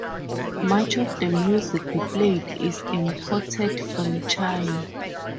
Much of the music played is imported from China.